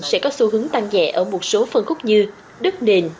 sẽ có xu hướng tăng nhẹ ở một số phân khúc như đất nền